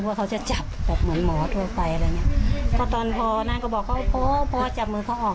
ว่าเขาจะจับแบบเหมือนหมอทั่วไปอะไรอย่างเงี้ยก็ตอนพอนั้นก็บอกเขาพอจับมือเขาออก